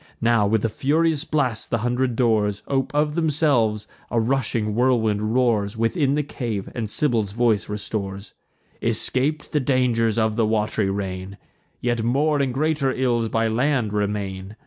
Now, with a furious blast, the hundred doors Ope of themselves; a rushing whirlwind roars Within the cave, and Sibyl's voice restores: "Escap'd the dangers of the wat'ry reign, Yet more and greater ills by land remain.